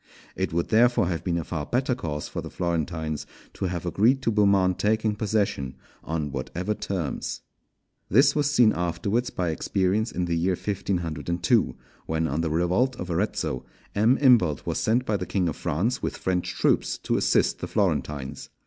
It would therefore have been a far better course for the Florentines to have agreed to Beaumont taking possession on whatever terms. This was seen afterwards by experience in the year 1502, when, on the revolt of Arezzo, M. Imbalt was sent by the King of France with French troops to assist the Florentines.